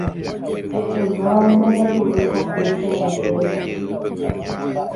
ymáma ndajuvéi ha péicha ere chéve